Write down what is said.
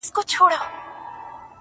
ستا دي تاج وي همېشه- لوړ دي نښان وي-